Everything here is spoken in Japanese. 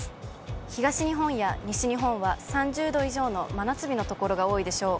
東日本や西日本は３０度以上の真夏日の所が多いでしょう。